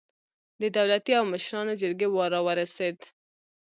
د دولتي او مشرانو جرګې وار راورسېد.